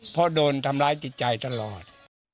เพราะโดนทำร้ายจิตใจตลอด